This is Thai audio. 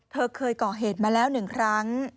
เคยก่อเหตุมาแล้ว๑ครั้ง